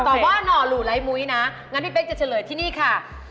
ตอบว่าหน่อหลู่ไร้มุ้ยนะงั้นพี่เป๊กจะเฉลยที่นี่ค่ะ